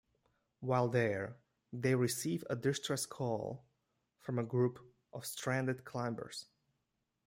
While there, they receive a distress call from a group of stranded climbers.